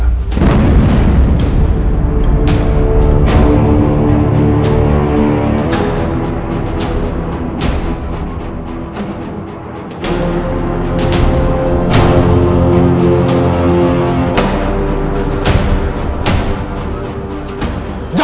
jangan lakuin ini sam